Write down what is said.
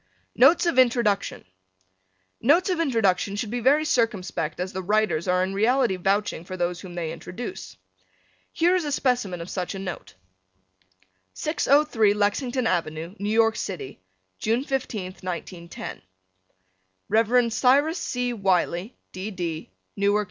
NOTES OF INTRODUCTION Notes of introduction should be very circumspect as the writers are in reality vouching for those whom they introduce. Here is a specimen of such a note. 603 Lexington Ave., New York City, June 15th, 1910. Rev. Cyrus C. Wiley, D. D., Newark, N.